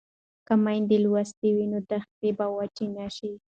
که میندې لوستې وي نو دښتې به وچې نه وي.